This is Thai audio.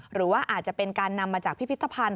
หรือว่าอาจจะเป็นการนำมาจากพิพิธภัณฑ์